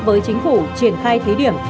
với chính phủ triển khai thí điểm